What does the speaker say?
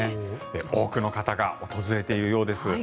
多くの方が訪れているようです。